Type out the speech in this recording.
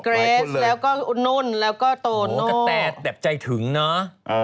เร็วแล้วก็โน่นแล้วก็โตโน้นโหกัตวแทร่แต่ใจถึงน๊า